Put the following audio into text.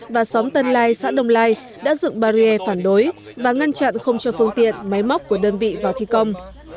và xóm tân lai xã đông lai đã dựng barrier phản đối và ngăn chặn không cho phương tiện máy móc của đơn vị vào thi công